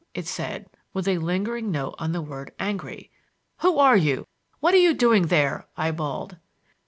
it said, with a lingering note on the word angry. "Who are you? What are you doing there?" I bawled.